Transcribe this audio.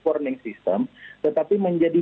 warning system tetapi menjadi